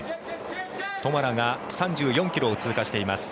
トマラが３４ｋｍを通過しています。